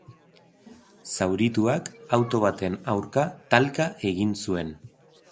Zaurituak auto baten aurka talka egin zuen.